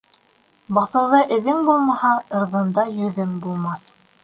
Баҫыуҙа эҙең булмаһа, Ырҙында йөҙөң булмаҫ.